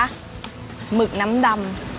หมึกน้ำดำ